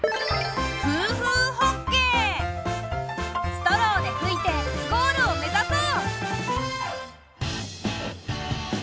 ストローでふいてゴールをめざそう！